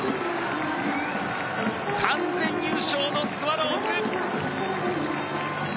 完全優勝のスワローズ。